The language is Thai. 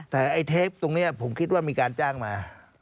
แต่ไอ้เทปตรงนี้ผมคิดว่ามีการจ้างมา